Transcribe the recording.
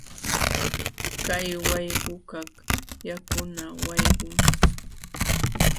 Kay wayqukaq yakuna wayqum.